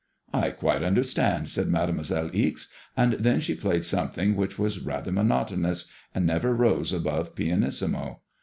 "I quite understand," said Mademoiselle Ixe, and then she played something which was rather monotonous, and never rose above pianissimo.